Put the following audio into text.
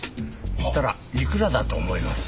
そしたらいくらだと思います？